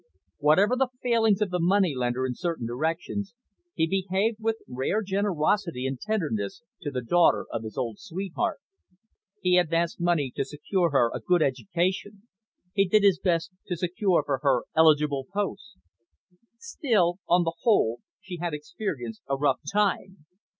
Whatever the failings of the moneylender in certain directions, he behaved with rare generosity and tenderness to the daughter of his old sweetheart. He advanced money to secure her a good education. He did his best to secure for her eligible posts. Still, on the whole, she had experienced a rough time.